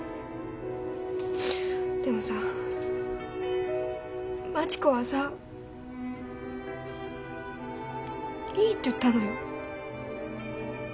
でもさ待子はさ「いい」って言ったのよ。